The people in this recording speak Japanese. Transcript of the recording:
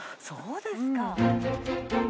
そうですか！